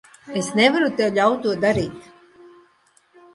Es nevaru tev ļaut to darīt.